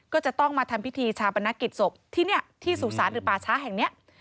ก็จะต้องมาทำพิธีชาปนกิจศพที่นี่ที่สุสานหรือป่าช้าแห่งเนี้ย